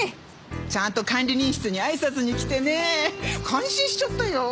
ちゃんと管理人室に挨拶に来てね感心しちゃったよ。